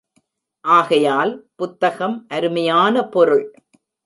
ஆகையால், புத்தகம் அருமையான பொருள்.